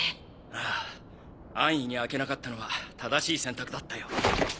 ああ安易に開けなかったのは正しい選択だったよ。